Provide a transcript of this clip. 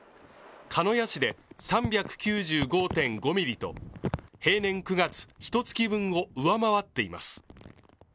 鹿屋市で３９５．５ミリと平年９月ひとつき分を上回っています。